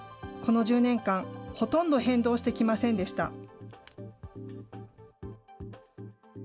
この１０年間、ほとんど変動してきませんでした。